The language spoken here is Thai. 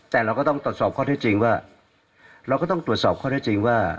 แต่เราก็ต้องตรวจสอบข้อที่จริงว่าเราก็ต้องตรวจสอบข้อได้จริงว่า